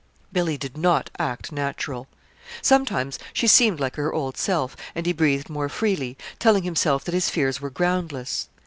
Billy did not act natural. Sometimes she seemed like her old self; and he breathed more freely, telling himself that his fears were groundless.